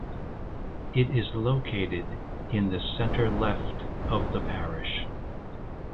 It is located in the centre left of the parish.